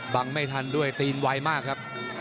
ไม่ทันด้วยตีนไวมากครับ